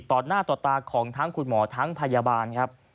หน้าต่อตาของทั้งคุณหมอทั้งพยาบาลครับ